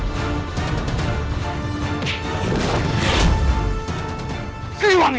kembali ke mana kau pergi lawan aku